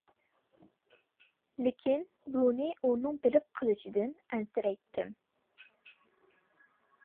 لېكىن بۇنى ئۇنىڭ بىلىپ قېلىشىدىن ئەنسىرەيتتىم.